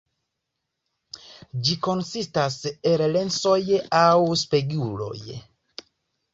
Ĝi konsistas el lensoj aŭ speguloj.